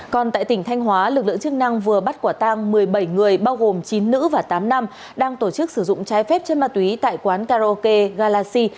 còn tại tỉnh thanh hóa lực lượng chức năng vừa bắt quả tang một mươi bảy người bao gồm chín nữ và tám nam đang tổ chức sử dụng trái phép chân ma túy tại quán karaoke galaxy